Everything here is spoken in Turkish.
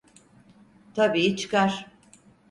Tabii çıkar.